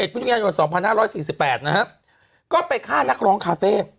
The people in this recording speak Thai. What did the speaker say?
มิถุนายน๒๕๔๘นะฮะก็ไปฆ่านักร้องคาเฟ่